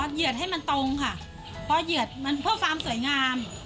เหยียดให้มันตรงค่ะพอเหยียดมันเพื่อความสวยงาม